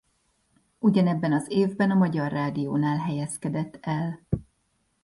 Ugyanebben az évben a Magyar Rádiónál helyezkedett el.